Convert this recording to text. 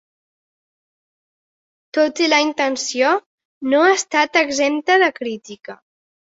Tot i la intenció, no ha estat exempta de crítica.